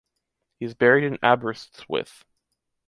He is buried in Aberystwyth.